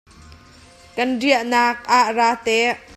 Kan riahnak ah ra te.